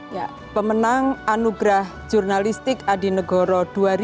ya pemenang anugerah jurnalistik adi negoro dua ribu dua puluh